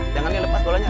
jangan dilepas bolanya